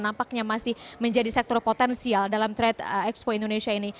nampaknya masih menjadi sektor potensial dalam trade expo indonesia ini